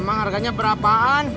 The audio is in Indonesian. emang harganya berapaan